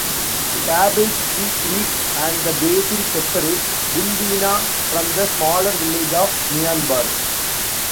Cabbage Tree Creek and 'The Basin' separate Bundeena from the smaller village of Maianbar.